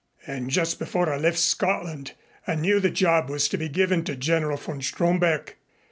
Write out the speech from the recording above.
And just before I left Scotland I knew the job was to be given to General von Stromberg.